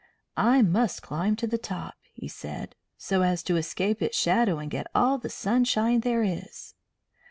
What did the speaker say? "I must climb to the top," he said, "so as to escape its shadow and get all the sunshine there is."